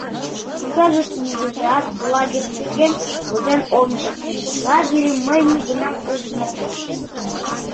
Кызыт нигузеат лагерь нерген возен ом керт Лагерьым мый нигунам ужын омыл.